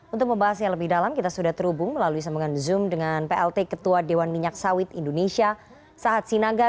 untuk membahas yang lebih dalam kita sudah terhubung melalui sambungan zoom dengan plt ketua dewan minyak sawit indonesia sahat sinaga